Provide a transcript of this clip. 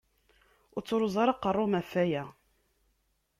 Ur ttruẓ ara aqerru-m ɣef aya!